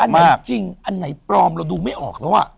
อันไหนจริงอันไหนปลอมเราดูไม่ออกแล้ว